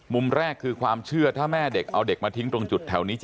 มุมแรกคือความเชื่อถ้าแม่เด็กเอาเด็กมาทิ้งตรงจุดแถวนี้